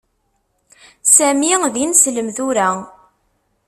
Sami d ineslem tura.